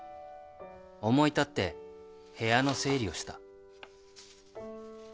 思い立って部屋の整理をした